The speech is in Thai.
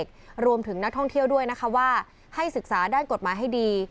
ฝั่งจังหวัดท่าขี้เหล็กรวมถึงนักท่องเที่ยวด้วยนะคะว่าให้ศึกษาด้านกฎหมายให้ดี